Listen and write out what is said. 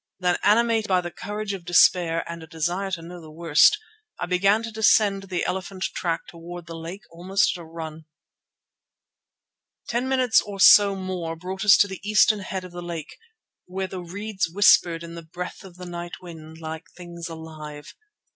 Then, animated by the courage of despair and a desire to know the worst, I began to descend the elephant track towards the lake almost at a run. Ten minutes or so more brought us to the eastern head of the lake, where the reeds whispered in the breath of the night wind like things alive.